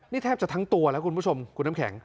นี่แทบจะทั้งตัวแล้วคุณผู้ชมคุณน้ำแข็ง